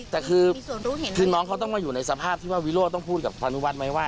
แต่คือน้องเขาต้องมาอยู่ในสภาพที่ว่าวิโรธต้องพูดกับพานุวัฒน์ไหมว่า